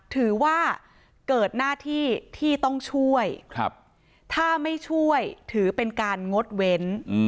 ถือว่าเกิดหน้าที่ที่ต้องช่วยถ้าไม่ช่วยถือเป็นการงดเว้น